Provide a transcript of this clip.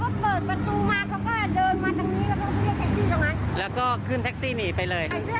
เขาก็เดินมาตรงนี้แล้วก็ขึ้นรถแท็กซี่ตรงนั้นแล้วก็ขึ้นแท็กซี่หนีไปเลย